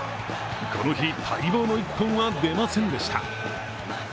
この日、待望の１本は出ませんでした。